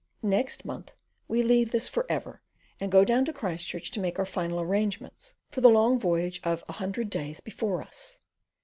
Next month we leave this for ever, and go down to Christchurch to make our final arrangements for the long voyage of a hundred days before us.